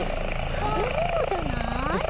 たべものじゃない？